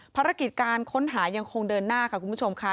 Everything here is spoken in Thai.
ภารกิจการค้นหายังคงเดินหน้าค่ะคุณผู้ชมค่ะ